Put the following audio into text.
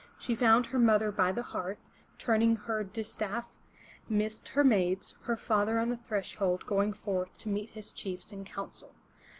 She found her mother by the hearth, turning her distaff 'midst her maids, her father on the threshold going forth to meet his chiefs in council.